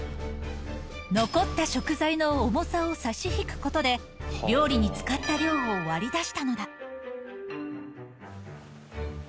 残った食材の重さを差し引くことで、料理に使った量を割り出したのだ。